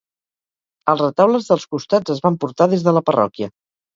Els retaules dels costats es van portar des de la parròquia.